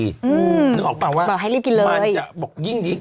นึกออกป่ะว่ามันจะบอกยิ่งดี